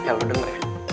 eh lo denger ya